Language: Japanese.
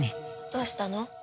どうしたの？